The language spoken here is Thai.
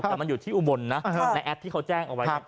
แต่มันอยู่ที่อุบลนะในแอปที่เขาแจ้งเอาไว้